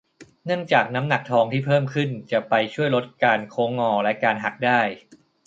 เนื่องจากน้ำหนักทองที่เพิ่มขึ้นจะไปช่วยลดการโค้งงอและการหักได้